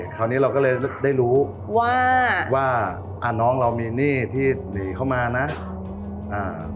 คราวนี้เราก็เลยได้รู้ว่าว่าอ่าน้องเรามีหนี้ที่หนีเข้ามานะอ่า